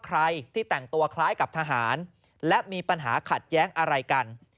ใครที่แต่งตัวคล้ายกับทหารและมีปัญหาขัดแย้งอะไรกัน